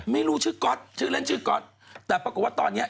มันคุดอย่างนามกิน